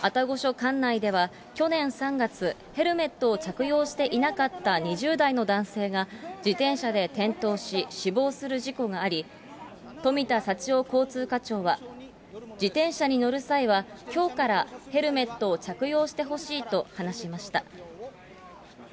管内では、去年３月、ヘルメットを着用していなかった２０代の男性が、自転車で転倒し、死亡する事故があり、富田幸男交通課長は、自転車に乗る際は、きょうからヘルメットを着用してほしいと話しました。